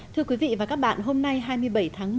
thưa quý vị và các bạn hôm nay hai mươi bảy tháng một